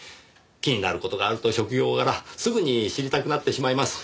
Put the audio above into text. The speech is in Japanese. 気になる事があると職業柄すぐに知りたくなってしまいます。